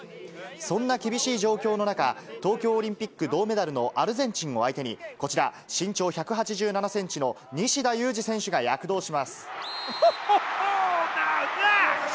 そんな厳しい状況の中、東京オリンピック銅メダルのアルゼンチンを相手に、こちら、身長１８７センチの西田有志選手が躍動します。